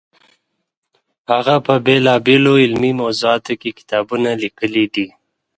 هغه په بېلابېلو علمي موضوعاتو کې کتابونه لیکلي دي.